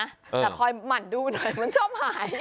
แต่คอยหมั่นดูหน่อยมันชอบหาย